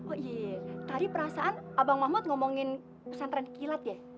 oh iya tadi perasaan abang mahmud ngomongin pesantren kilat ya